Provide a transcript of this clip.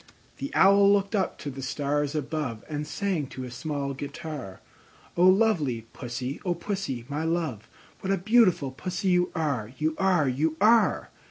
The Owl looked up to the stars above, And sang to a small guitar, "O lovely Pussy, O Pussy, my love, What a beautiful Pussy you are, You are, You are!